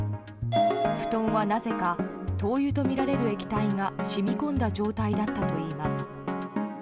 布団はなぜか灯油とみられる液体が染み込んだ状態だったといいます。